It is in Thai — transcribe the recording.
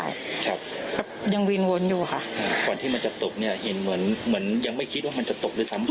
ยังบินวนอยู่ค่ะ